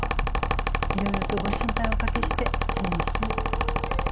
いろいろとご心配をおかけしてすみません。